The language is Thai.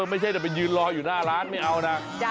ไม่ใช่แต่ไปยืนรออยู่หน้าร้านไม่เอานะ